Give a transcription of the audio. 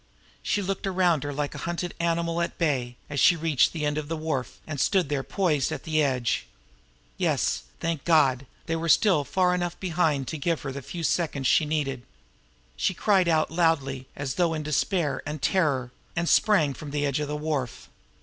She looked around her like a hunted animal at bay, as she reached the end of the wharf and stood there poised at the edge. Yes, thank God, they were still far enough behind to give her the few seconds she needed! She cried out loudly as though in despair and terror and sprang from the edge of the wharf.